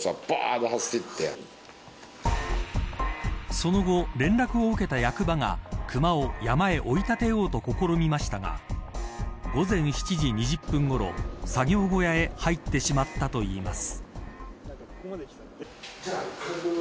その後、連絡を受けた役場が熊を山へ追い立てようと試みましたが午前７時２０分ごろ作業小屋へ入ってしまったといいます。